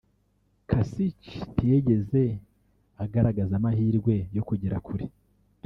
Kasich ntiyigeze agaragaza amahirwe yo kugera kure